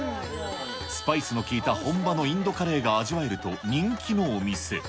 スパイスの効いた本場のインドカレーが味わえると人気のお店。